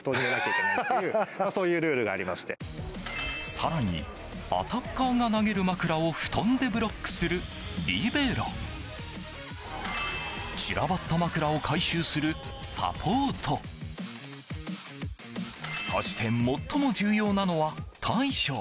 更に、アタッカーが投げる枕を布団でブロックする、リベロ散らばった枕を回収するサポートそして最も重要なのは、大将。